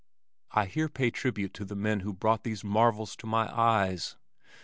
I here pay tribute to the men who brought these marvels to my eyes.